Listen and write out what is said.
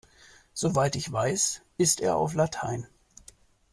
Soweit ich weiß ist er auf Latein.